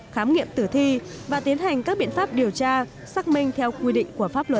khám nghiệm tử thi và tiến hành các biện pháp điều tra xác minh theo quy định của pháp luật